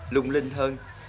lung linh hơn